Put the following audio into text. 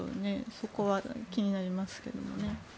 そこは気になりますけどね。